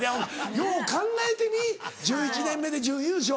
よう考えてみ１１年目で準優勝。